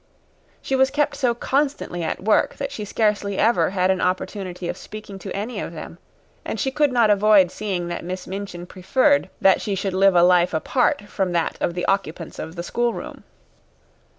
She was kept so constantly at work that she scarcely ever had an opportunity of speaking to any of them, and she could not avoid seeing that Miss Minchin preferred that she should live a life apart from that of the occupants of the schoolroom.